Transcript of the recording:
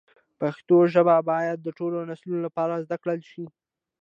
پښتو ژبه باید د ټولو نسلونو لپاره زده کړل شي.